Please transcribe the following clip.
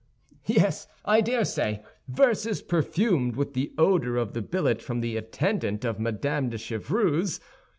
"Yes, I dare say; verses perfumed with the odor of the billet from the attendant of Madame de Chevreuse.